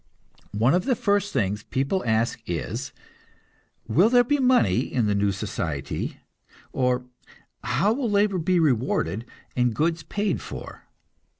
One of the first things people ask is, "Will there be money in the new society, or how will labor be rewarded and goods paid for?"